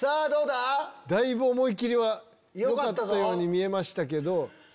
だいぶ思い切りはよかったように見えましたけど。